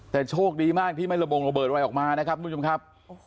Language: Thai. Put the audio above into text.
แต่โชคดีมากที่ไม่ระบงระเบิดอะไรออกมานะครับทุกผู้ชมครับ